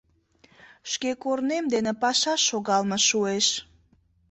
Шке корнем дене пашаш шогалме шуэш.